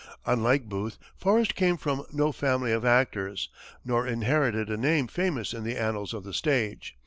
Unlike Booth, Forrest came from no family of actors, nor inherited a name famous in the annals of the stage.